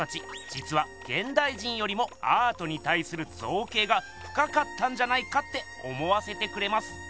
じつはげんだい人よりもアートにたいするぞうけいがふかかったんじゃないかって思わせてくれます。